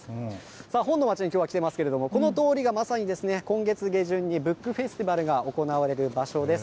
さあ、本の町にきょうは来ていますけれども、この通りがまさに今月下旬にブックフェスティバルが行われる場所です。